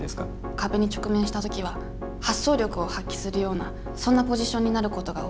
壁に直面した時は発想力を発揮するようなそんなポジションになることが多いです。